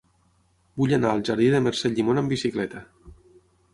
Vull anar al jardí de Mercè Llimona amb bicicleta.